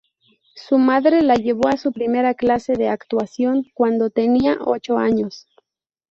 Su madre la llevó a su primera clase de actuación cuando tenía ocho años.